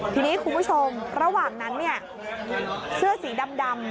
ทีนี้คุณผู้ชมระหว่างนั้นเนี่ยเสื้อสีดำ